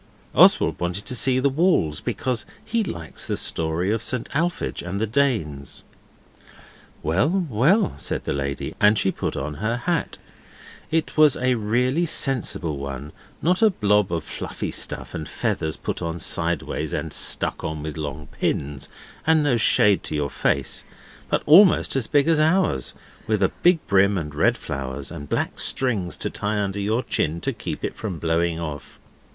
Oswald wanted to see the walls, because he likes the Story of St Alphege and the Danes. 'Well, well,' said the lady, and she put on her hat; it was a really sensible one not a blob of fluffy stuff and feathers put on sideways and stuck on with long pins, and no shade to your face, but almost as big as ours, with a big brim and red flowers, and black strings to tie under your chin to keep it from blowing off.